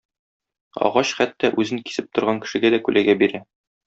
Агач хәтта үзен кисеп торган кешегә дә күләгә бирә.